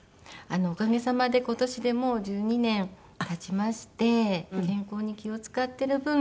おかげさまで今年でもう１２年経ちまして健康に気を使っている分